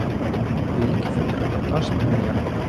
Вялікі фотарэпартаж з прэм'еры.